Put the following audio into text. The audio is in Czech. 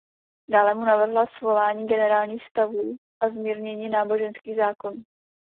Dále mu navrhla svolání generálních stavů a zmírnění náboženských zákonů.